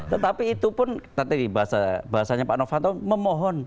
tetapi itu pun tadi bahasanya pak novanto memohon